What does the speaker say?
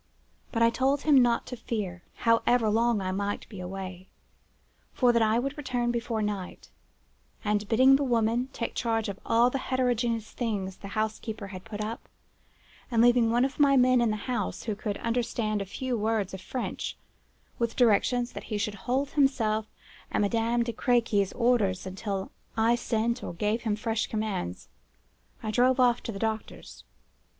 But I told him not to fear, however long I might be away, for that I would return before night; and, bidding the woman take charge of all the heterogeneous things the housekeeper had put up, and leaving one of my men in the house, who could understand a few words of French, with directions that he was to hold himself at Madame de Crequy's orders until I sent or gave him fresh commands, I drove off to the doctor's.